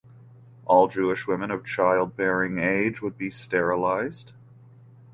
All Jewish women of childbearing age would be sterilized.